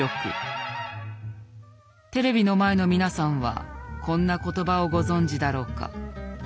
テレビの前の皆さんはこんな言葉をご存じだろうか。